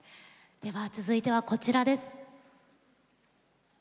続いては、こちらです。